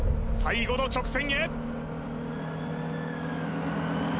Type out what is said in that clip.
最後の直線へ！